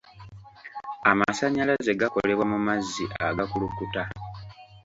Amasannyalaze gakolebwa mu mazzi agakulukuta